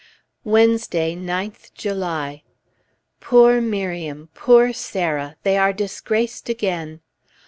Wednesday, 9th July. Poor Miriam! Poor Sarah! they are disgraced again!